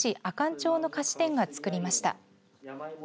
阿寒町の菓子店がつくりました。